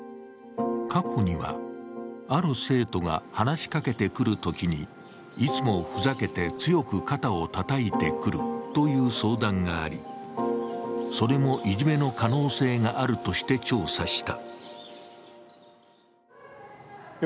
過去には、ある生徒が話しかけてくるときにいつもふざけて強く肩をたたいてくるという相談があり、それもいじめの可能性があるとして調査した。